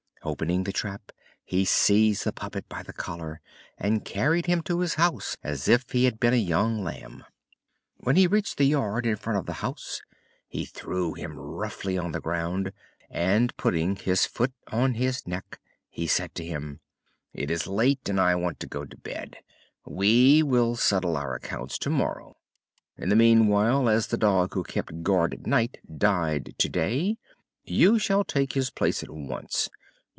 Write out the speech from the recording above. Opening the trap, he seized the puppet by the collar and carried him to his house as if he had been a young lamb. When he reached the yard in front of the house he threw him roughly on the ground and, putting his foot on his neck, he said to him: "It is late and I want to go to bed; we will settle our accounts tomorrow. In the meanwhile, as the dog who kept guard at night died today, you shall take his place at once.